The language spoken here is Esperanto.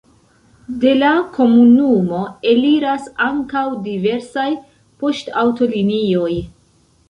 De la komunumo eliras ankaŭ diversaj poŝtaŭtolinioj.